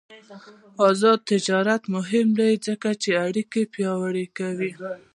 آزاد تجارت مهم دی ځکه چې اړیکې پیاوړې کوي.